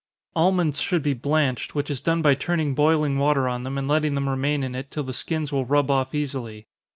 Almonds should be blanched, which is done by turning boiling water on them, and letting them remain in it till the skins will rub off easily.